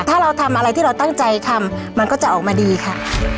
ถ้าเราทำอะไรที่เราตั้งใจทำมันก็จะออกมาดีค่ะ